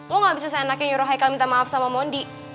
lo gak bisa seenaknya nyuruh haikal minta maaf sama mondi